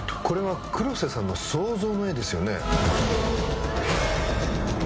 これは黒瀬さんの想像の絵ですよね？